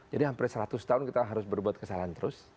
hampir seratus tahun kita harus berbuat kesalahan terus